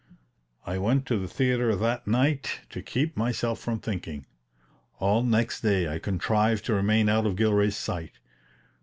I went to the theater that night to keep myself from thinking. All next day I contrived to remain out of Gilray's sight.